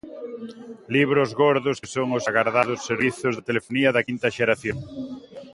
Libros gordos que son os agardados servizos da telefonía de quinta xeración.